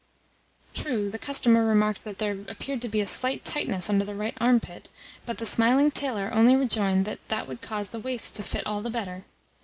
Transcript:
True, the customer remarked that there appeared to be a slight tightness under the right armpit, but the smiling tailor only rejoined that that would cause the waist to fit all the better.